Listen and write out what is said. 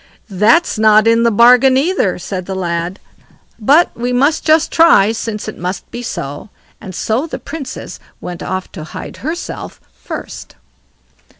"That's not in the bargain either", said the lad; "but we must just try, since it must be so"; and so the Princess went off to hide herself first.